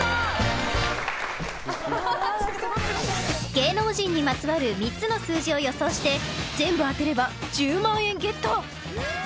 芸能人にまつわる３つの数字を予想して全部当てれば１０万円ゲット！